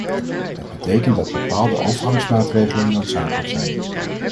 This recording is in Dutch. Het betekent dat bepaalde overgangsmaatregelen noodzakelijk zijn.